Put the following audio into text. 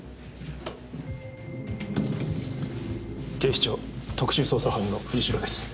警視庁特殊捜査班の藤代です。